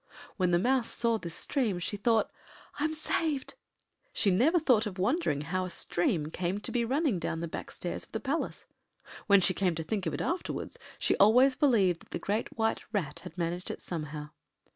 When the Mouse saw this stream, she thought, “I’m saved.” She never thought of wondering how a stream came to be running down the back stairs of the palace. When she came to think of it afterwards she always believed that the Great White Rat had managed it somehow.